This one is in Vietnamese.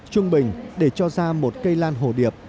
trung bình để cho ra một cây lan hồ điệp